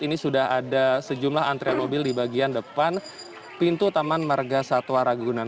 ini sudah ada sejumlah antrian mobil di bagian depan pintu taman marga satwa ragunan